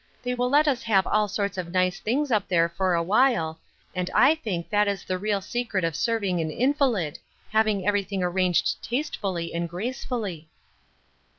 They will let us have all sorts of nice things up there for a while, and I think that is the real secret ol serving an invalid, having everything arranged tastefully and gracefully."